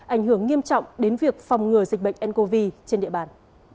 ảnh hưởng nghiêm trọng đến việc phòng ngừa dịch bệnh ncov trên địa bàn